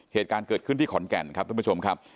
เหตุการณ์เกิดขึ้นที่ขอนแก่นครับท่านผู้ชมครับ